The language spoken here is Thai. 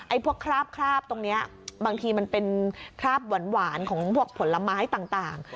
ไอ้พวกคราบคราบตรงเนี้ยบางทีมันเป็นคราบหวานหวานของพวกผลไม้ต่างต่าง